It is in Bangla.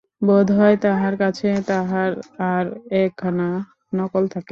বোধ হয় তাহার কাছে তাহার আর একখানা নকল থাকে।